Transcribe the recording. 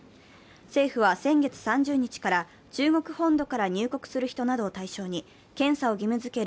政府は先月３０日から、中国本土から入国する人などを対象に検査を義務づける